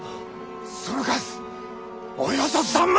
その数およそ３万！